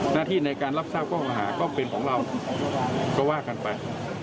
หน้าที่ในการรับทราบข้อเก่าหาก็เป็นของเราก็ว่ากันไป